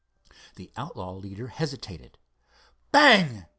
The outlaw leader hesitated. Bang!